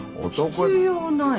必要ない。